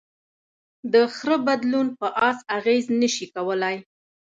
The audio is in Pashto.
د خره بدلون په آس اغېز نهشي کولی.